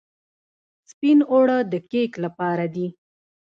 سپین اوړه د کیک لپاره دي.